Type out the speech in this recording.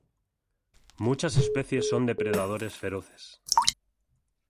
Muchas especies son depredadores feroces.